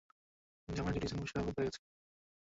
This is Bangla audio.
পুরি তাঁর মার জন্যে যে জামাইটি জুটিয়েছেন, পসার খুব বেড়ে গেছে!